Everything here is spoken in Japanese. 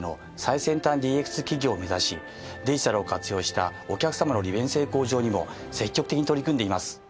企業を目指しデジタルを活用したお客様の利便性向上にも積極的に取り組んでいます。